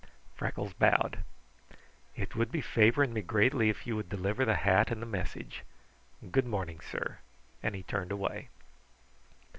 Freckles bowed. "It would be favoring me greatly if you would deliver the hat and the message. Good morning, sir," and he turned away.